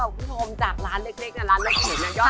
วันะฮงจากร้านเล็กเนี่ยร้านเล็กเนี่ย